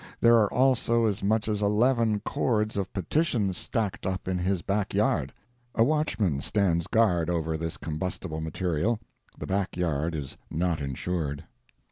There are also as much as eleven cords of petitions stacked up in his back yard. A watchman stands guard over this combustible material—the back yard is not insured.